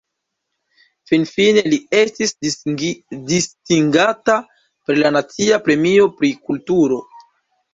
Finfine li estis distingata per la nacia premio pri kulturo.